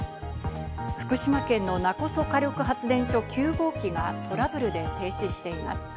福島県の勿来火力発電所９号機がトラブルで停止しています。